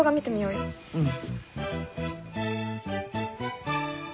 うん。